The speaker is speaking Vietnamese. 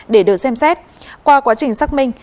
để được xem xét qua quá trình xác minh